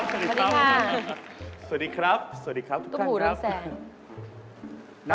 สวัสดีครับสวัสดีครับทุกคนครับต้มหูด้วยแสง